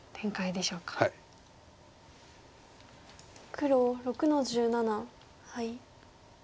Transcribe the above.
黒６の十七ハイ。